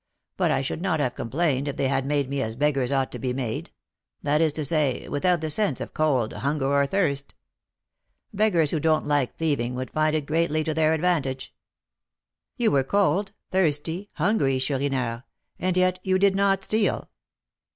But I should not have complained if they had made me as beggars ought to be made; that is to say, without the sense of cold, hunger, or thirst. Beggars who don't like thieving would find it greatly to their advantage." "You were cold, thirsty, hungry, Chourineur, and yet you did not steal?"